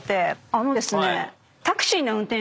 あのですね。